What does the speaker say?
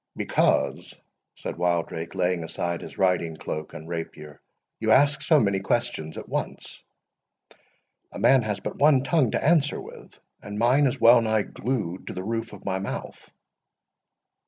"Because," said Wildrake, laying aside his riding cloak and rapier, "you ask so many questions at once. A man has but one tongue to answer with, and mine is well nigh glued to the roof of my mouth."